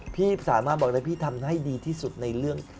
พี่สามารถบอกได้พี่ทำให้ดีที่สุดในเรื่อง